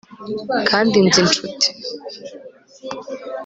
Kandi nzi inshuti